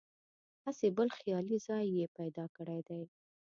هسې بل خیالي ځای یې پیدا کړی دی.